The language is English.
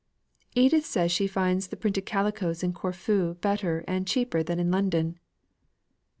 "Edith says she finds the printed calicoes in Corfu better and cheaper than in London."